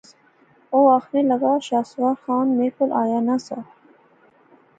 او آخنے لغا شاہ سوار خان میں کول آیا نہ سا